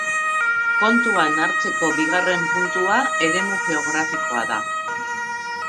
Kontuan hartzeko bigarren puntua eremu geografikoa da.